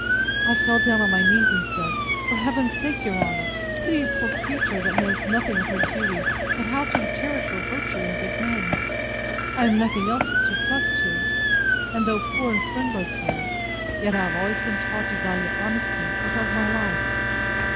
I fell down on my knees, and said, For Heaven's sake, your honour, pity a poor creature, that knows nothing of her duty, but how to cherish her virtue and good name: I have nothing else to trust to: and, though poor and friendless here, yet I have always been taught to value honesty above my life.